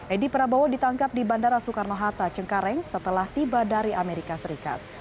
edi prabowo ditangkap di bandara soekarno hatta cengkareng setelah tiba dari amerika serikat